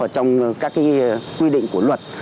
trong các quy định của luật